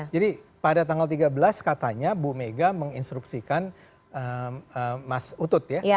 jadi pada tanggal tiga belas katanya bu mega menginstruksikan mas utut ya